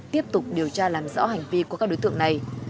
tiếp tục điều tra làm rõ hành vi của các đối tượng này